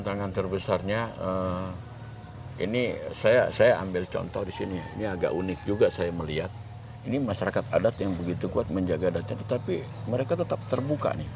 tantangan terbesarnya ini saya ambil contoh di sini ini agak unik juga saya melihat ini masyarakat adat yang begitu kuat menjaga adatnya tetapi mereka tetap terbuka nih